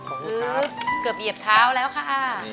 เกือบเหยียบเท้าแล้วค่ะ